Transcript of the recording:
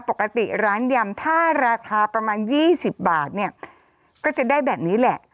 ปกติร้านยำถ้าราคาประมาณ๒๐บาทเนี่ยก็จะได้แบบนี้แหละ